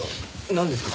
なんですか？